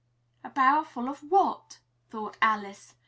"A barrowful of what?" thought Alice.